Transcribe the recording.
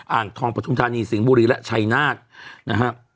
อ่างทองปฐุมธานีสิงห์บุรีและชัยนาธนะฮะ